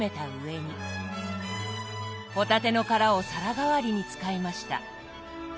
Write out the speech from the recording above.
帆立ての殻を皿代わりに使いました。